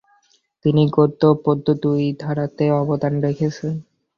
তিনি গদ্য ও পদ্য দুই ধারাতেই অবদান রেখেছেন।